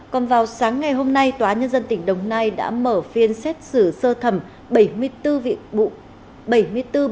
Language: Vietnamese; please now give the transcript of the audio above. còn vào sáng ngày hôm nay tòa nhân dân tỉnh đồng nai đã mở phiên xét xử sơ thẩm bảy mươi bốn vị bụng